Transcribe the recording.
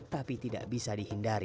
tapi tidak bisa dihindari